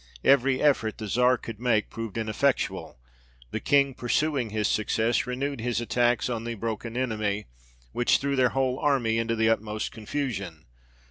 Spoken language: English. Every effort the Czar could make proved ineffectual ; the King pursuing his success, re newed his attacks on the broken enemy, which threw their whole army into the utmost confusion.